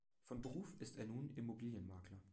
Von Beruf ist er nun Immobilienmakler.